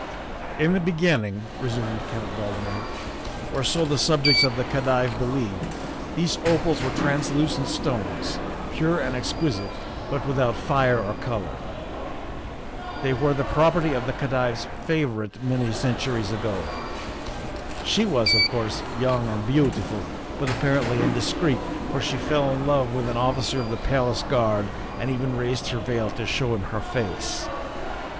" In the beginning," resumed Count Valdmir, " or so the subjects of the Khedive believe, these opals were translucent stones, pure and exquisite, but without fire or color. They were the property of a Khedive's favor ite many centuries ago. She was, of course, young and beautiful, but apparently indiscreet, for she fell in love with an officer of the Palace Guard and even raised her veil to show him her face.